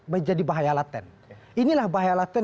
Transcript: menjadi bahaya laten inilah bahaya laten